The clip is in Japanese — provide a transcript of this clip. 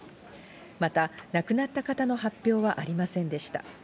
また亡くなった方の発表はありませんでした。